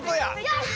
よし！